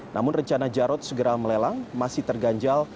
namun rencana jarod segera melelang masih terganjal